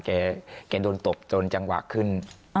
เขาโดนตบมาจนจังหวะขึ้น